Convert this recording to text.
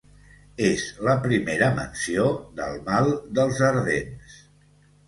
És la primera menció del mal dels ardents.